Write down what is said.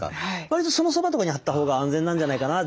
わりとそのそばとかに張った方が安全なんじゃないかな